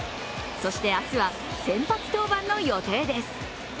そして、明日は先発登板の予定です